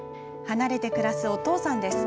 離れて暮らすお父さんです。